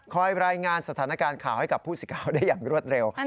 รายงานสถานการณ์ข่าวให้กับผู้สิทธิ์ข่าวได้อย่างรวดเร็ว